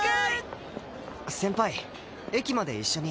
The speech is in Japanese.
先輩駅まで一緒に。